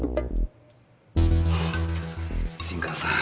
陣川さん